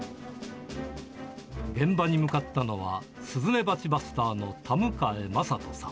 現場に向かったのは、スズメバチバスターの田迎真人さん。